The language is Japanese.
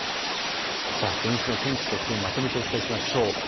土日の天気と気温、まとめてお伝えしましょう。